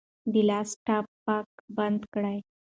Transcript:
د لاس ټپ پاک بند کړئ.